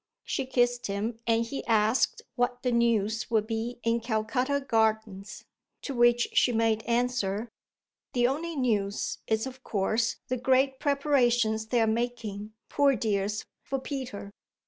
She kissed him and he asked what the news would be in Calcutta Gardens; to which she made answer: "The only news is of course the great preparations they're making, poor dears, for Peter.